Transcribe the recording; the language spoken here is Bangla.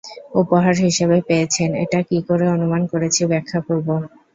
উপহার হিসেবে পেয়েছেন এটা কী করে অনুমান করেছি, ব্যাখ্যা করব?